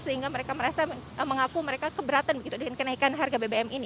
sehingga mereka merasa mengaku mereka keberatan begitu dengan kenaikan harga bbm ini